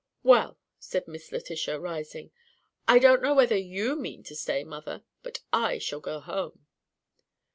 "Well," said Miss Letitia, rising, "I don't know whether you mean to stay, mother; but I shall go home."